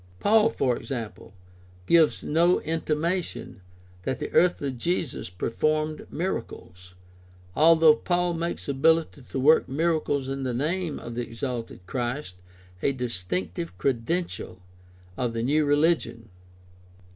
Paul, for example, 264 GUIDE TO STUDY OF CHRISTIAN RELIGION gives no intimation that the earthly Jesus performed miracles, although Paul makes ability to work miracles in the name of the exalted Christ a distinctive credential of the new religion (cf.